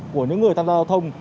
của những người tham gia giao thông